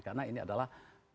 karena ini adalah